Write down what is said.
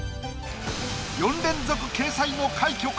４連続掲載の快挙か？